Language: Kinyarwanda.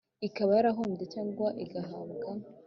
Ikaba yarahombye cyangwa igahabwa